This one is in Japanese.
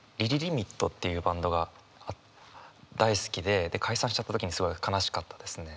ＬＩＬＩＬＩＭＩＴというバンドが大好きで解散しちゃった時にすごい悲しかったですね。